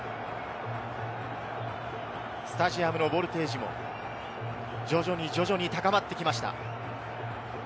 スタジアムのボルテージも徐々に高まってきました。